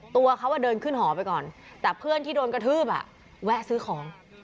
ตัวเขาเดินขึ้นหอไปก่อนแต่เพื่อนที่โดนกระทืบแวะซื้อของ